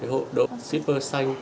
hộ đội shipper xanh